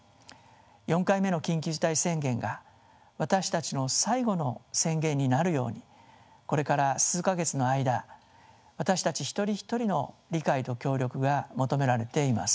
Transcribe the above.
４回目の緊急事態宣言が私たちの最後の宣言になるようにこれから数か月の間私たち一人一人の理解と協力が求められています。